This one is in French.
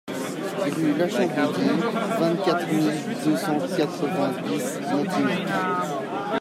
Rue Lachambeaudie, vingt-quatre mille deux cent quatre-vingt-dix Montignac